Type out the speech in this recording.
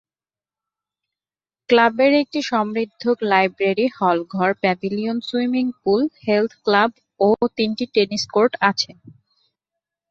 ক্লাবের একটি সমৃদ্ধ লাইব্রেরি, হলঘর, পেভিলিয়ন, সুইমিংপুল, হেলথক্লাব ও তিনটি টেনিস কোর্ট আছে।